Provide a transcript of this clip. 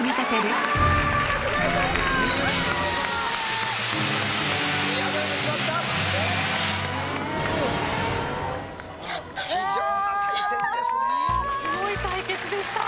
すごい対決でした。